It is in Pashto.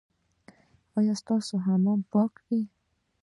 ایا ستاسو حمام به پاک وي؟